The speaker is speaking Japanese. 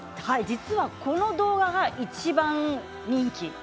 実は、この動画が一番人気。